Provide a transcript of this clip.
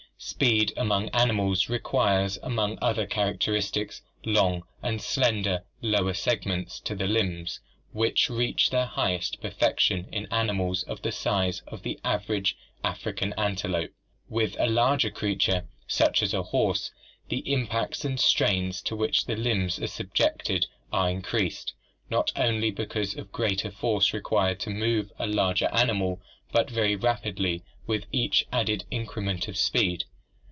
Speed among animals requires among other characteristics long and slender lower segments to the limbs, which reach their highest perfection in animals of the size of the average African antelope. With a larger creature, such as a horse, the impacts and strains to which the limbs are subjected are increased, not only because of the greater force required to move a larger animal, but very rapidly with each added increment of speed.